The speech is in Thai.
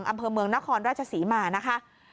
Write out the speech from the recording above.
ที่อำเภอเมืองเนื้อคนราชสีมานะคะ